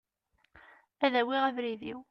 Ad awiɣ abrid-iw.